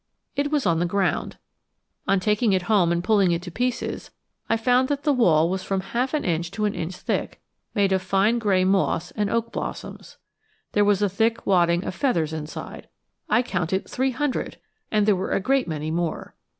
It was on the ground. On taking it home and pulling it to pieces, I found that the wall was from half an inch to an inch thick, made of fine gray moss and oak blossoms. There was a thick wadding of feathers inside. I counted three hundred, and there were a great many more!